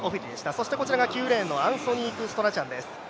そしてこちらが９レーンのアンソニーク・ストラチャンです。